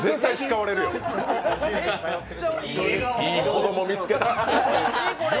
いい子供見つけた。